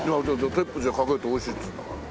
チップスにかけるとおいしいっつうんだから。